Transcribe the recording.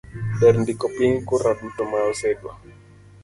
ber ndiko piny kura duto ma osego